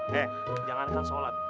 he jangankan sholat